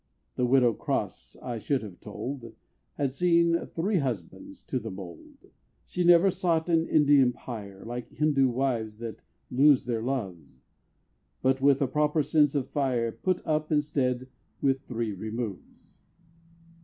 The Widow Cross, I should have told, Had seen three husbands to the mould: She never sought an Indian pyre, Like Hindoo wives that lose their loves; But, with a proper sense of fire, Put up, instead, with "three removes."